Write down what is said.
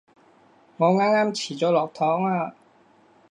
我啱啱遲咗落堂啊